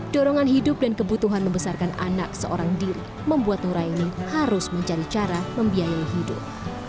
dorongan hidup dan kebutuhan membesarkan anak seorang diri membuat nuraini harus mencari cara membiayai hidup